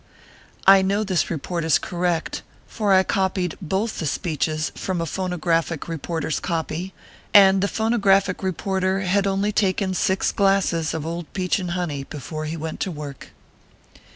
I know this report is correct, for I copied both the speeches from a phonographic reporter s copy, and the phonographic reporter had only taken six glasses of old peach and honey before he went to work.